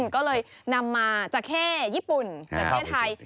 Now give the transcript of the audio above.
ก็เลยนำมาจักรแข้ญี่ปุ่นจักรแข้ไทย